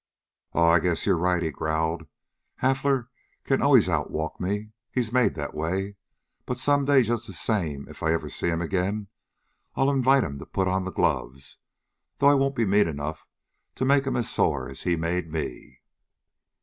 "Aw, I guess you're right," he growled. "Hafler can always out walk me. He's made that way. But some day, just the same, if I ever see 'm again, I'll invite 'm to put on the gloves.. .. though I won't be mean enough to make 'm as sore as he made me."